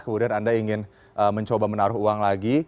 kemudian anda ingin mencoba menaruh uang lagi